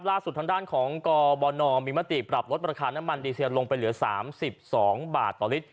ล่าสุดทางด้านของกบนมีมติปรับลดราคาน้ำมันดีเซลลงไปเหลือ๓๒บาทต่อลิตร